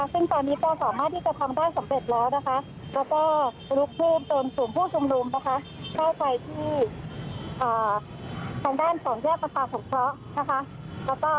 ซึ่งตอนนี้ปศมาที่กระ๓๑๑และรุ่นพูดตนสวมผู้จงรุมได้ไทยที่แยกศสมเพราะ